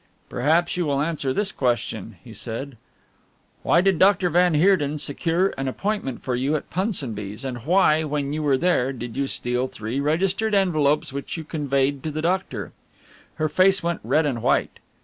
"Perhaps you will answer this question," he said, "why did Doctor van Heerden secure an appointment for you at Punsonby's, and why, when you were there, did you steal three registered envelopes which you conveyed to the doctor?" Her face went red and white.